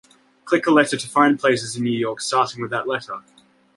Click a letter to find places in New York starting with that letter.